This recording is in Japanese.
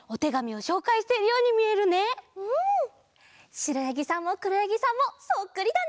しろやぎさんもくろやぎさんもそっくりだね！